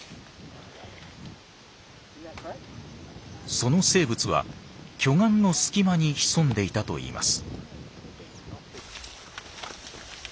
その生物は巨岩の隙間に潜んでいたといいます。